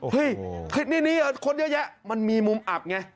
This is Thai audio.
เฮ้ยคลิปนี้คนเยอะแยะมันมีมุมอับไง